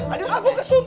aduh aku kesuntik